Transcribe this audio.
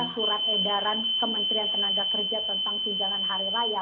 surat edaran kementerian tenaga kerja tentang tunjangan hari raya